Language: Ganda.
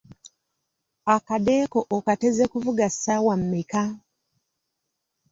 Akade ko okateze kuvuga ssaawa mmeka?